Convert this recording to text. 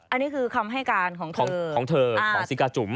อันนี้คือคำให้การของเธอของสิกาจุ๋ม